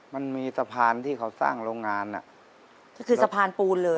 มันมีสะพานที่เขาสร้างโรงงานอ่ะก็คือสะพานปูนเลย